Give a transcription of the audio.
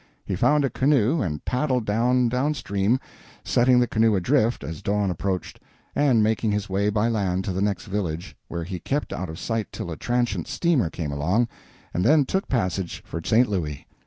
He found a canoe and paddled off down stream, setting the canoe adrift as dawn approached, and making his way by land to the next village, where he kept out of sight till a transient steamer came along, and then took deck passage for St. Louis.